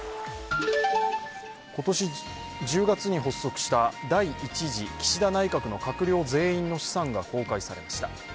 今年１０月に発足した第１次岸田内閣の閣僚全員の資産が公開されました。